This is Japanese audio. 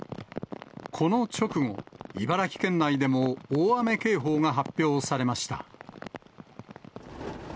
この直後、茨城県内でも大雨警報が発表されました。